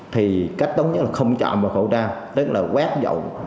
thì cách đúng nhất là không chạm vào khẩu trang tức là quét dầu